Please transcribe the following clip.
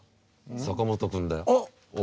坂本君だよ。